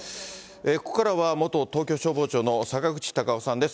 ここからは元東京消防庁の坂口隆夫さんです。